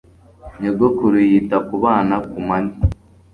nyogokuru yita ku bana ku manywa